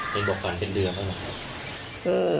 เห็นว่าหวันเป็นเดือนหรือ